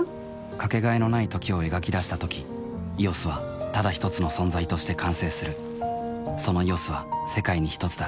かけがえのない「時」を描き出したとき「ＥＯＳ」はただひとつの存在として完成するその「ＥＯＳ」は世界にひとつだ